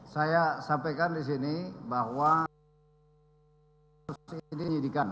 saya sampaikan di sini bahwa ini dinyidikan ya